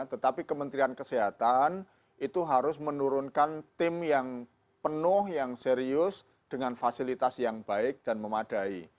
tetapi kementerian kesehatan itu harus menurunkan tim yang penuh yang serius dengan fasilitas yang baik dan memadai